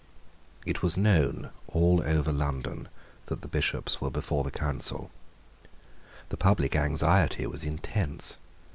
It was known all over London that the Bishops were before the Council. The public anxiety was intense.